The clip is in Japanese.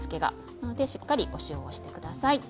なのでしっかりお塩をしてください。